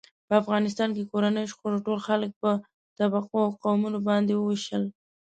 په افغانستان کې کورنیو شخړو ټول خلک په طبقو او قومونو باندې و وېشل.